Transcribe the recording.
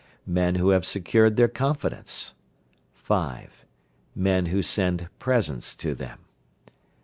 Men who have secured their confidence. 5. Men who send presents to them. 6.